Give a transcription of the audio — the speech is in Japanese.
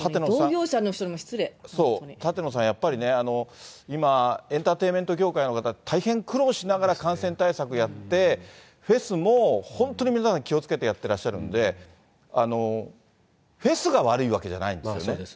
舘野さん、やっぱり今、エンターテインメント業界の方、大変苦労しながら感染対策やって、フェスも本当に皆さん、気をつけてやってらっしゃるんで、フェスが悪いわけじゃないんです